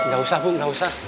gak usah bu nggak usah